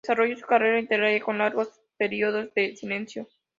Desarrolló su carrera literaria con largos periodos de silencio.